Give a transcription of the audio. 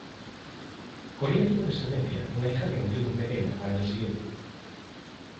Con ella tuvo descendencia: una hija que murió muy pequeña, al año siguiente.